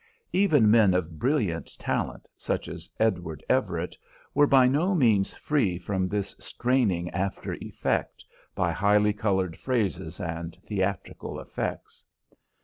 Even men of brilliant talent, such as Edward Everett, were by no means free from this straining after effect by highly coloured phrases and theatrical effects.